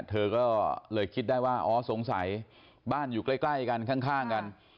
เธอก็เลยคิดได้ว่าอ๋อสงสัยบ้านอยู่ใกล้กันข้างกัน